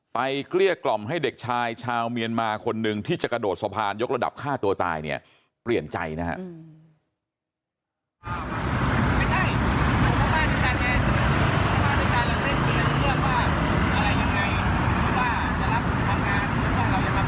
เกลี้ยกล่อมให้เด็กชายชาวเมียนมาคนหนึ่งที่จะกระโดดสะพานยกระดับฆ่าตัวตายเนี่ยเปลี่ยนใจนะครับ